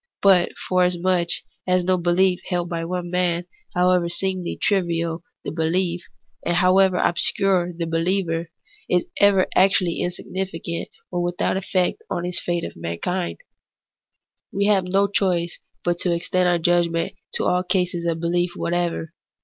But forasmuch as no belief held by one man, however seemingly trivial the belief, and however obscure the behever, is ever actually insignificant or without its effect on the fate of mankind, we have no choice but to extend our judgment to all cases of behef whatever.